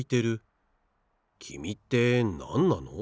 きみってなんなの？